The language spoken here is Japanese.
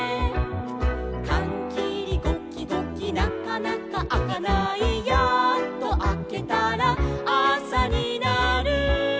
「かんきりゴキゴキなかなかあかない」「やっとあけたらあさになる」